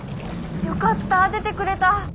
よかった！出てくれた！